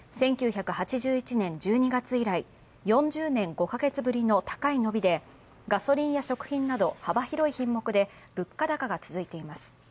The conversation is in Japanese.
１９８１年１２月以来、４０年５カ月ぶりの高い伸びでガソリンや食品など幅広い品目で物価高が続いています。